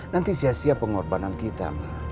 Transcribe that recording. nanti sia sia pengorbanan kita